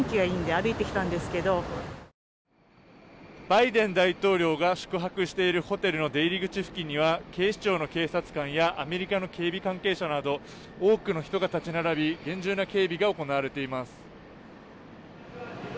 バイデン大統領が宿泊しているホテルの出入り口付近には警視庁の警察官やアメリカの警備関係者など多くの人が立ち並び厳重な警備が行われています。